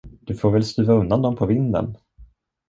Du får väl stuva undan dem på vinden?